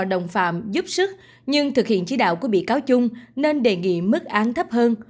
đồng phạm giúp sức nhưng thực hiện chỉ đạo của bị cáo chung nên đề nghị mức án thấp hơn